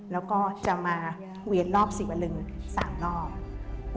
แล้วก็จะมาเวียนรอบศรีวลึง๓รอบ